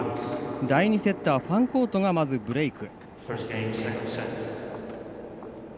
第２セットはファンコートがまずブレーク。